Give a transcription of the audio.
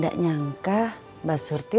dengar dasah mak morning